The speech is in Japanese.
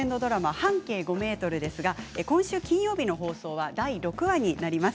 「半径５メートル」ですが今週金曜日の放送は第６話になります。